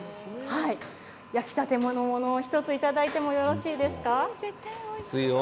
焼きたてのものを１ついただいてもよろしいですか？